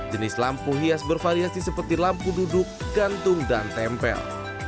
jenis lampu hias bervariasi seperti lampu duduk gantung dan tempel